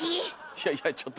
いやいやちょっと。